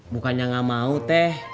bukannya gak mau teh